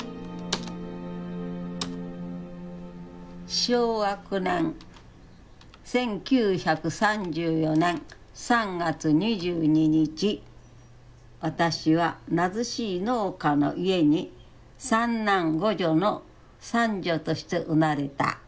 昭和９年１９３４年３月２２日私は貧しい農家の家に三男五女の三女として生まれた。